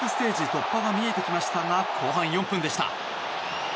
突破が見えてきましたが後半４分でした。